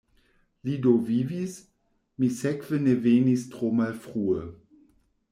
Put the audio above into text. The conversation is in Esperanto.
Li do vivis; mi sekve ne venis tro malfrue.